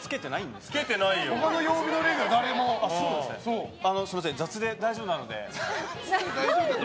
すみません、雑で大丈夫なので。